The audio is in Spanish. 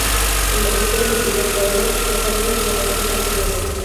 El magisterio de William Ernest Henley le marcó profundamente.